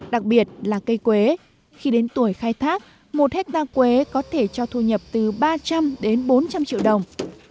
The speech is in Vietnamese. đặc biệt là cây quế khi đến tuổi khai thác một hectare quế có thể cho thu nhập từ ba trăm linh đến bốn trăm linh triệu đồng